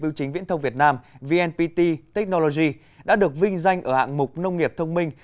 ưu chính viễn thông việt nam vnpt technology đã được vinh danh ở hạng mục nông nghiệp thông minh